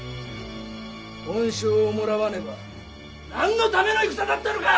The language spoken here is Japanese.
恩賞をもらわねば何のための戦だったのか！